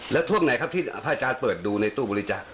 แล้วช่วงไหนครับที่พระอาจารย์เปิดดูในตู้บริจาค